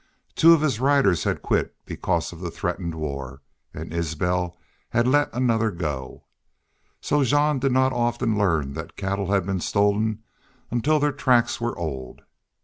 Two of his riders had quit because of the threatened war, and Isbel had let another go. So that Jean did not often learn that cattle had been stolen until their tracks were old.